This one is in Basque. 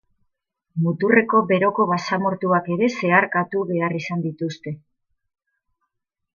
Muturreko beroko basamortuak ere zeharkatu behar izan dituzte.